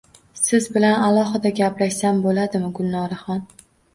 Siz bilan alohida gaplashsam bo`ladimi, Gulnoraxon